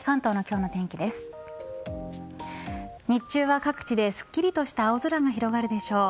日中は各地ですっきりとした青空が広がるでしょう。